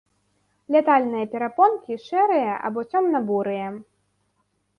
Лятальныя перапонкі шэрыя або цёмна-бурыя.